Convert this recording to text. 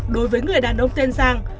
đối với người đàn ông tên giang